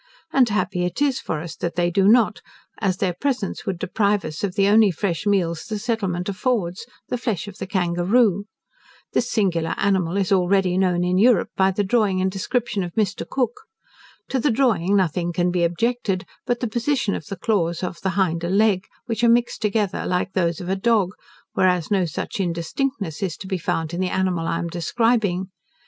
And happy it is for us that they do not, as their presence would deprive us of the only fresh meals the settlement affords, the flesh of the kangaroo. This singular animal is already known in Europe by the drawing and description of Mr. Cook. To the drawing nothing can be objected but the position of the claws of the hinder leg, which are mixed together like those of a dog, whereas no such indistinctness is to be found in the animal I am describing.